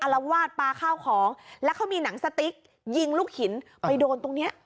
ละวาดปลาข้าวของแล้วเขามีหนังสติ๊กยิงลูกหินไปโดนตรงเนี้ย